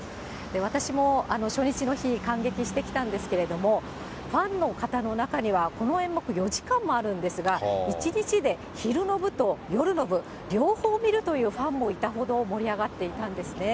私も初日の日、観劇してきたんですけど、ファンの方の中にはこの演目、４時間もあるんですが、１日で昼の部と夜の部、両方見るというファンもいたほど、盛り上がっていたんですね。